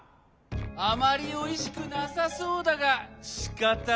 あまりおいしくなさそうだがしかたない。